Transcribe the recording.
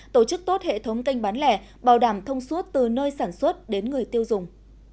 tổ chức tốt hệ thống kênh bán lẻ bảo đảm thông suốt từ nơi sản xuất đến người tiêu dùng